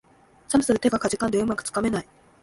寒さで手がかじかんで、うまくつかめない